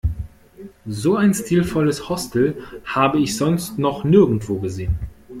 So ein stilvolles Hostel habe ich sonst noch nirgendwo gesehen.